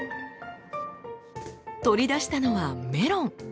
取り出したのはメロン。